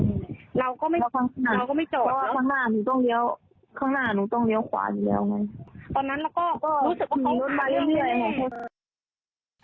ตอนนั้นมันก็รู้สึกว่ามีรถมาเรื่องอะไร